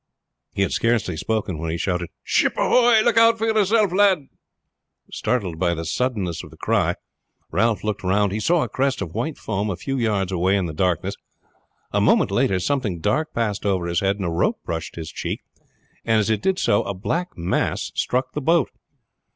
He had scarcely spoken when he shouted "Ship ahoy! Look out for yourself, lad!" Startled by the suddenness of the cry Ralph looked round. He saw a crest of white foam a few yards away in the darkness. A moment later something dark passed over his head and a rope brushed his cheek, and as it did so a black mass struck the boat.